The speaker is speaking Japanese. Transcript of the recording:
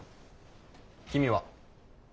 君は？